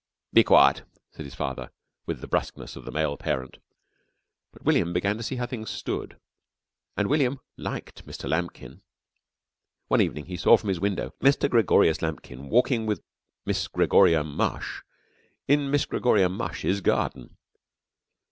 "Be quiet!" said his father with the brusqueness of the male parent. But William began to see how things stood. And William liked Mr. Lambkin. One evening he saw from his window Mr. Gregorius Lambkin walking with Miss Gregoria Mush in Miss Gregoria Mush's garden.